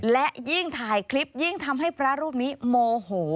และยิ่งถ่ายคลิปยิ่งทำให้พระรูปนี้โมโห